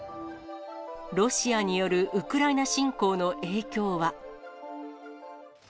ロシアによるウクライナ侵攻の影響は。